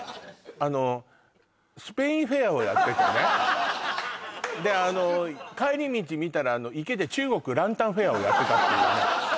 あのスペインフェアをやっててねであの帰り道見たら池で中国ランタンフェアをやってたっていうね